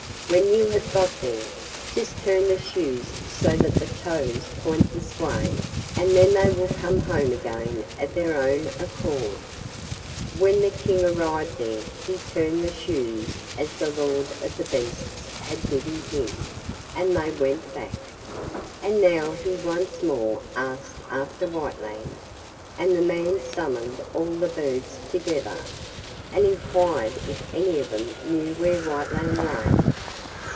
When you have got there, just turn the shoes so that the toes point this way, and then they will come home again of their own accord.' When the King arrived there he turned the shoes as the Lord of the beasts had bidden him, and they went back. And now he once more asked after Whiteland, and the man summoned all the birds together, and inquired if any of them knew where Whiteland lay.